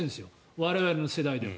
我々の世代では。